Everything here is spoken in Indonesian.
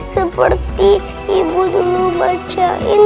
seperti ibu dulu bacain